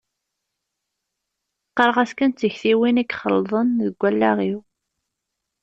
Qqareɣ-as kan d tiktiwin i ixelḍen deg wallaɣ-iw.